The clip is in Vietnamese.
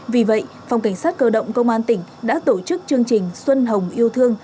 vì vậy phòng cảnh sát cơ động công an tỉnh đã tổ chức chương trình xuân hồng yêu thương